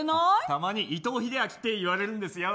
たまに、伊藤英明って言われるんですよ。